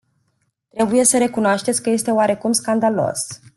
Trebuie să recunoașteți că este oarecum scandalos.